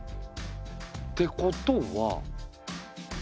てことは。